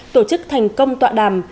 tổ chức thành công tọa đàm